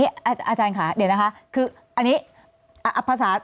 อาจารย์ค่ะเดี๋ยวนะคะคืออันนี้ภาษา